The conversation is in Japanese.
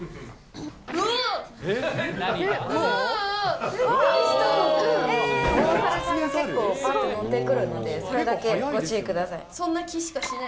このお猿さんが結構乗ってくるので、それだけご注意ください。